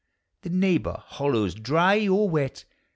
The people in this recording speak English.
The neighbor hollows, dry or wet.